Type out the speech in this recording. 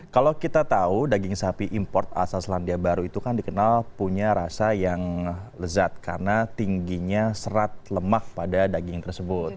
kalau kita tahu daging sapi import asal selandia baru itu kan dikenal punya rasa yang lezat karena tingginya serat lemak pada daging tersebut